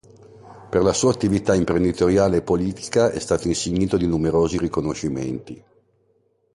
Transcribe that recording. Per la sua attività imprenditoriale e politica è stato insignito di numerosi riconoscimenti.